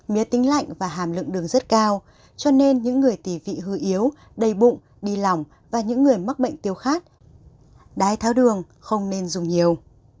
mía tính lạnh và hàm lượng đường rất cao cho nên những người tỉ vị hư yếu đầy bụng đi lòng và những người mắc bệnh tiêu khác đái tháo đường không nên dùng nhiều